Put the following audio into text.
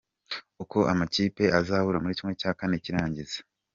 Uko amakipe azahura muri ¼ cy’irangiza.